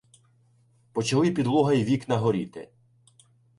Почали підлога й вікна горіти.